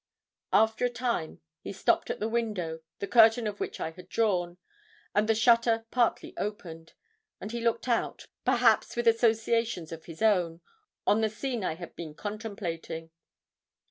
After a time he stopped at the window, the curtain of which I had drawn, and the shutter partly opened, and he looked out, perhaps with associations of his own, on the scene I had been contemplating.